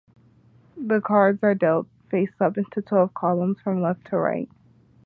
The cards are dealt face up into twelve columns, from left to right.